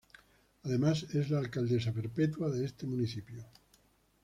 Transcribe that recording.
Además es la alcaldesa perpetua de este municipio.